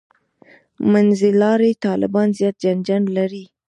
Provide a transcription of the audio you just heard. «منځلاري طالبان» زیات جنجال لري.